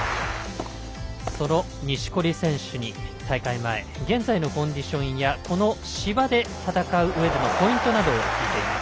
その錦織選手に大会前現在のコンディションや芝で戦う上でのポイントなどを聞いています。